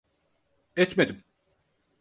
Etmedim.